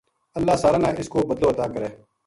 اللہ ساراں نا اس کو بدلو عطا کرے